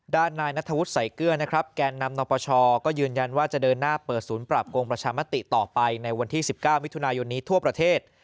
นายนัทธวุฒิใส่เกลือนะครับแกนนำนปชก็ยืนยันว่าจะเดินหน้าเปิดศูนย์ปราบโกงประชามติต่อไปในวันที่๑๙มิถุนายนนี้ทั่วประเทศ